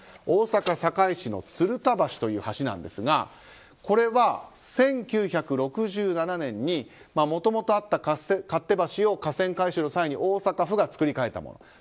大阪府堺市の鶴田橋という橋なんですがこれは１９６７年にもともとあった勝手橋を河川改修の際に大阪府が造り替えたもの。